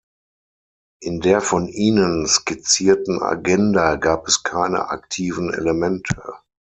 In der von Ihnen skizzierten Agenda gab es keine aktiven Elemente.